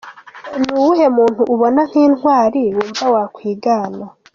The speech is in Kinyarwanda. com: Ni uwuhe muntu ubona nk’intwari, wumva wakwigana ?.